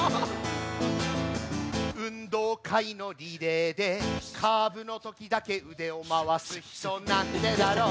運動会のリレーでカーブのときだけ腕を回す人なんでだろう？